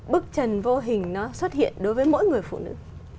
bức trần vô hình nó xuất hiện đối với mỗi người phụ nữ